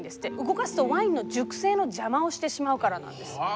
動かすとワインの熟成の邪魔をしてしまうからなんです。